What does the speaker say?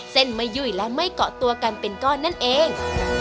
เส้นไม่ยุ่ยและไม่เกาะตัวกันเป็นก้อนนั่นเอง